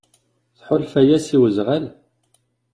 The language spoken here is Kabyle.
Tḥulfa-yas i wezɣal?